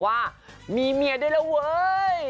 ว่ามีเมียได้และเว้ย